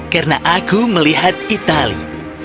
karena aku melihat itali